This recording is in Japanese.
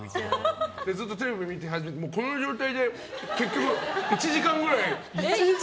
ずっとテレビ見て、この状態で結局、１時間くらい。